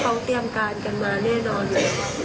เขาเตรียมการกันมาแน่นอน